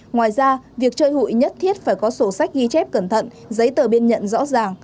ngoài ra việc chơi hụi nhất thiết phải có sổ sách ghi chép cẩn thận giấy tờ biên nhận rõ ràng